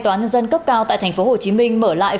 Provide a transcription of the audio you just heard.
toán dân cấp cao tại tp hcm mở lại